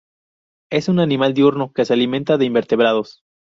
Es un animal diurno que se alimenta de invertebrados.